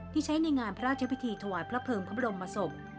ที่ใช้ในงานพระราชพิธีถวายพระเภิงพระบรมศพ